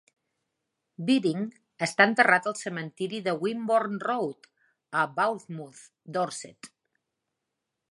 Baring està enterrat al cementiri de Wimborne Road, a Bournemouth (Dorset).